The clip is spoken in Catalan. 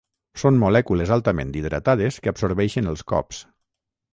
Són molècules altament hidratades que absorbeixen els cops.